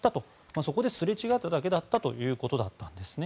そこですれ違っただけだったというわけなんです。